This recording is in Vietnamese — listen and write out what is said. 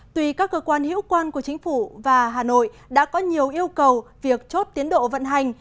tùy các cơ quan hữu quan của chính phủ và hà nội đã có nhiều yêu cầu việc chốt tiến độ vận hành